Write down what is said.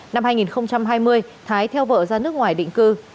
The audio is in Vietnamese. năm hai nghìn hai mươi thái theo vợ ra nước ngoài định cư